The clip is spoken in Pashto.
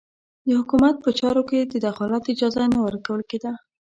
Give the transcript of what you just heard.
د حکومت په چارو کې د دخالت اجازه نه ورکول کېده.